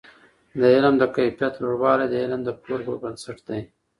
د علم د کیفیت لوړوالی د علم د پلور پر بنسټ دی.